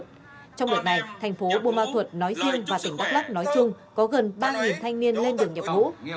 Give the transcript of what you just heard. trong đợt này thành phố buôn ma thuật nói riêng và tỉnh đắk lắc nói chung có gần ba thanh niên lên đường nhập ngũ